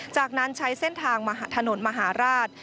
จากนั้นใช้เส้นทางถนนมหาราช